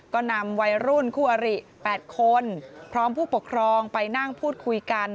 ก็นำวัยรุ่นคู่อริ๘คนพร้อมผู้ปกครองไปนั่งพูดคุยกัน